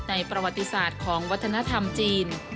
ประวัติศาสตร์ของวัฒนธรรมจีน